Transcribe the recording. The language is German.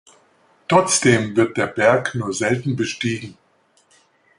Trotzdem wird der Berg nur selten bestiegen.